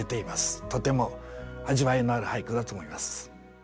とても味わいのある俳句だと思います。